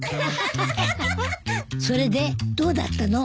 それでどうだったの？